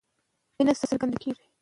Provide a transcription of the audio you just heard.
مینه څرګندول کمزوري نه ده.